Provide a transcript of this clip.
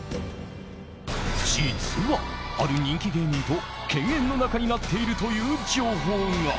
実はある人気芸人と犬猿の仲になっているという情報が。